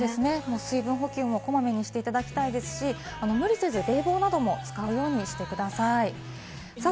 水分補給もこまめにしていただきたいですし無理せず冷房なども使うようにしてください。